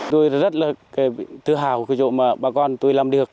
tôi rất là tự hào cái chỗ mà bà con tôi làm được